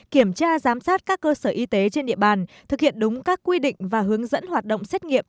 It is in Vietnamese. kiểm tra giám sát các cơ sở y tế trên địa bàn thực hiện đúng các quy định và hướng dẫn hoạt động xét nghiệm